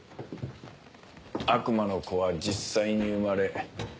悪魔の子は実際に生まれ